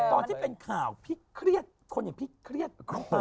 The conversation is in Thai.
ตอนที่เป็นข่าวคนอย่างพี่เครียด